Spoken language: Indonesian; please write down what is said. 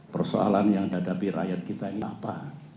persoalan yang dihadapi rakyat kita ini apa